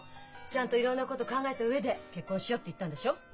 ちゃんといろんなこと考えた上で「結婚しよう」って言ったんでしょう？